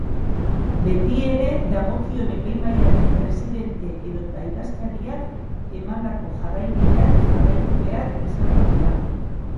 Betiere dagokion epaimahaiaren presidente edota idazkariak emandako jarraibideak jarraitu behar izango dira.